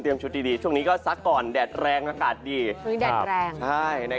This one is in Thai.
เมื่อกี้เห็นดุกดิกอยู่แถวนี้